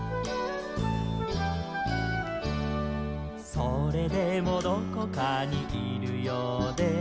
「それでもどこかにいるようで」